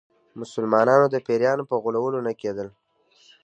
مسلمانانو د پیرانو په غولولو نه کېدل.